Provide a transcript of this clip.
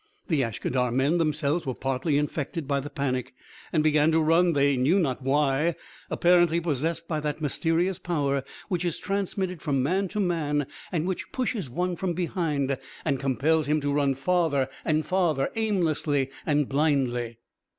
The Ashkadar men themselves were partly infected by the panic and began to run they knew not why, apparently possessed by that mysterious power which is transmitted from man to man and which pushes one from behind and compels him to run farther and farther, aimlessly and blindly.